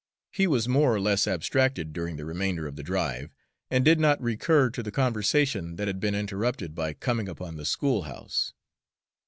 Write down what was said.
He was more or less abstracted during the remainder of the drive, and did not recur to the conversation that had been interrupted by coming upon the schoolhouse.